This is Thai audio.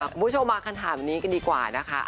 คุณผู้ชมมาคำถามนี้กันดีกว่านะคะ